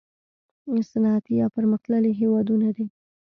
صنعتي یا پرمختللي هیوادونه دي.